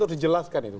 harus dijelaskan itu